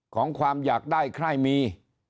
ของความอยากได้ใครมี